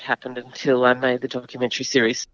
sampai saya membuat serial dokumenter